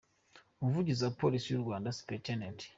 Umuvugizi wa Polisi y’u Rwanda, Supt.